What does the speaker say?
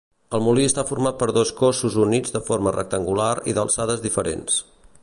El molí està format per dos cossos units de forma rectangular i d'alçades diferents.